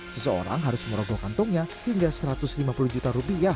seseorang harus merogoh kantongnya hingga satu ratus lima puluh juta rupiah